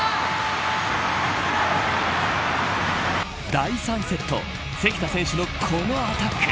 第３セット関田選手のこのアタック。